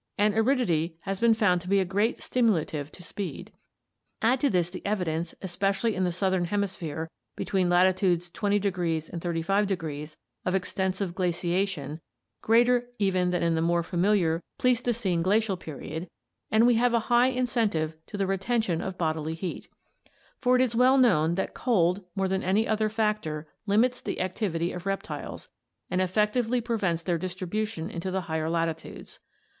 And aridity has been found to be a great stimulative to speed. Add to this the evidence, especially in the southern hemisphere between latitudes 200 and 35°, of extensive glaciation — greater even than in the more familiar Pleistocene 54* ORGANIC EVOLUTION Glacial period — and we have a high incentive to the retention of bodily heat. For it is well known that cold more than any other factor limits the activity of reptiles and effectively prevents their distribution into the higher latitudes.